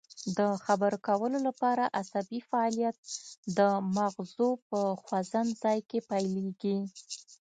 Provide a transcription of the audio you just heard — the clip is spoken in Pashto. د خبرو کولو لپاره عصبي فعالیت د مغزو په خوځند ځای کې پیلیږي